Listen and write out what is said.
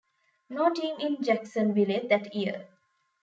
No team in Jacksonville that year.